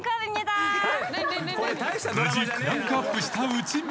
［無事クランクアップした内村］